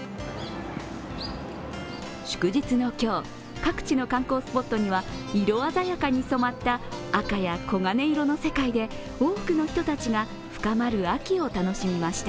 祝日の今日、各地の観光スポットには色鮮やかに染まった赤や黄金色の世界で多くの人たちが深まる秋を楽しみました。